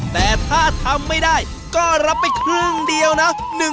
แต่ถ้าทำไม่ได้ก็รับไปครึ่งเดียวนะ